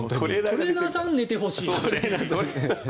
トレーナーさん寝てほしい。